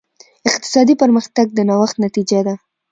اقتصادي پرمختګ د نوښت نتیجه ده.